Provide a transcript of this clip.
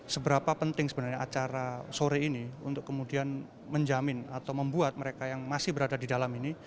seberapa penting sebenarnya acara sore ini untuk kemudian menjamin atau membuat mereka yang masih berada di dalam ini